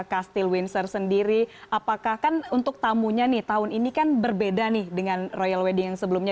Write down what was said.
kastil windsor sendiri apakah kan untuk tamunya nih tahun ini kan berbeda nih dengan royal wedding yang sebelumnya